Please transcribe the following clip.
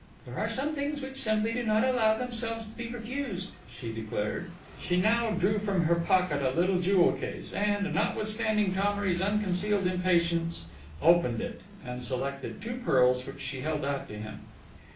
"There are some things which simply do not allow themselves to be refused," she declared.... She now drew from her pocket a little jewel case; and, notwithstanding Thomery's unconcealed impatience, opened it, and selected two pearls which she held out to him.